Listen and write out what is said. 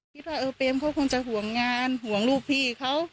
คิดว่าเออเปรมเขาคงจะห่วงงานห่วงลูกพี่เขา